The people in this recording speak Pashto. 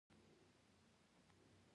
موږ هم ور وختلو.